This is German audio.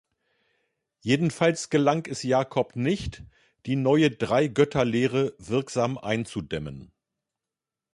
Jedenfalls gelang es Jakob nicht, die neue „Drei-Götter-Lehre“ wirksam einzudämmen.